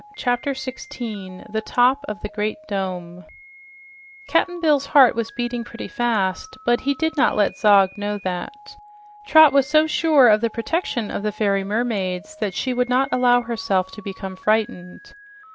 CHAPTER 16 THE TOP OF THE GREAT DOME Cap'n Bill's heart was beating pretty vast, but he did not let Zog know that. Trot was so sure of the protection of the fairy mermaids that she would not allow herself to become frightened.